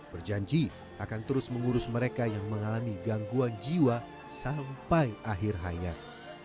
berjanji akan terus mengurus mereka yang mengalami gangguan jiwa sampai akhir hayat